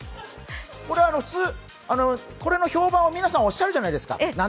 これの評判、皆さんおっしゃるじゃないですか。